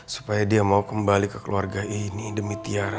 supaya dia mau kembali ke keluarga ini demi tiara